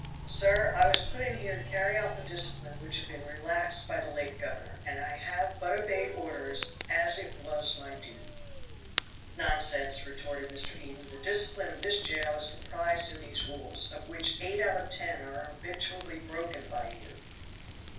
"Sir! I was put in here to carry out the discipline which had been relaxed by the late governor, and I have but obeyed orders as it was my duty." "Nonsense," retorted Mr. Eden. "The discipline of this jail is comprised in these rules, of which eight out of ten are habitually broken by you."